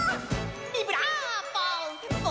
ビブラーボ！